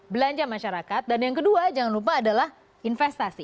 belanja masyarakat dan yang kedua jangan lupa adalah investasi